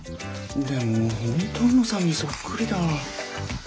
でも本当卯之さんにそっくりだ。